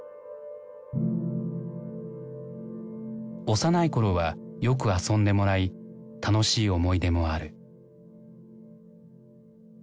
幼い頃はよく遊んでもらい楽しい思い出もある。